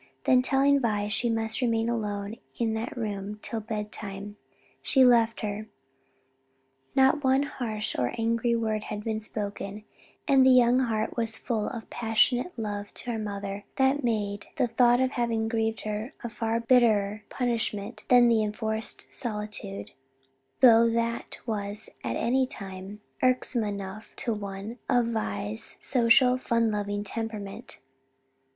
Then telling Vi she must remain alone in that room till bedtime, she left her. Not one harsh or angry word had been spoken, and the young heart was full of a passionate love to her mother that made the thought of having grieved her a far bitterer punishment than the enforced solitude, though that was at any time irksome enough to one of Vi's social, fun loving temperament.